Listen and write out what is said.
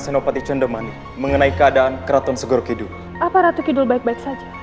senopati condemani mengenai keadaan keraton segoro kidu apa ratu kidul baik baik saja